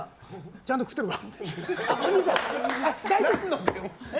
ちゃんと食ってるか？